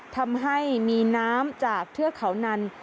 ทำให้มีน้ำจากเทือกเขานัน